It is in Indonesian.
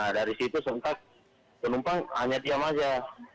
dari situ sontak penumpang hanya diam saja